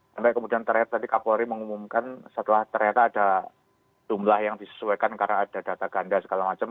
sampai kemudian terakhir tadi kapolri mengumumkan setelah ternyata ada jumlah yang disesuaikan karena ada data ganda segala macam